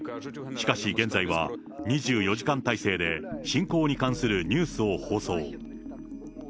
しかし現在は、２４時間体制で侵攻に関するニュースを放送。